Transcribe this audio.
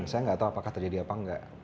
saya nggak tahu apakah terjadi apa enggak